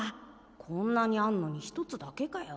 こんなにあんのに１つだけかよ。